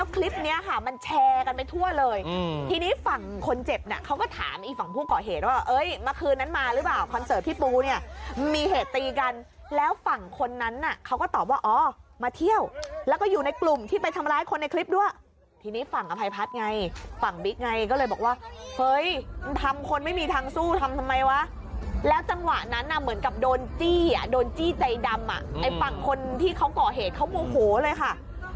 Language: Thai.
ก่อเหตุว่าเอ้ยเมื่อคืนนั้นมาหรือเปล่าคอนเสิร์ตพี่ปูเนี่ยมีเหตุตีกันแล้วฝั่งคนนั้นอ่ะเขาก็ตอบว่าอ๋อมาเที่ยวแล้วก็อยู่ในกลุ่มที่ไปทำร้ายคนในคลิปด้วยทีนี้ฝั่งอภัยพัดไงฝั่งบิ๊กไงก็เลยบอกว่าเฮ้ยทำคนไม่มีทางสู้ทำทำไมวะแล้วจังหวะนั้นอ่ะเหมือนกับโดนจี้อ่ะโดนจี้ใจดำอ่ะไอ้ฝั่